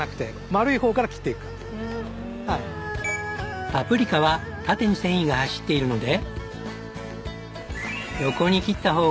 僕の場合はパプリカは縦に繊維が走っているので。